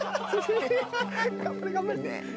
頑張れ頑張れ！